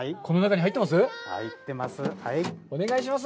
入ってます。